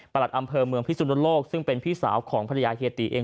อำเภอเมืองพิสุนโลกซึ่งเป็นพี่สาวของภรรยาเฮียตีเอง